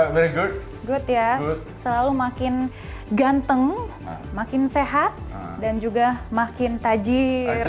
good ya selalu makin ganteng makin sehat dan juga makin tajir